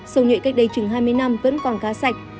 sông nhuệ cách đây chừng hai mươi năm vẫn còn cá sạch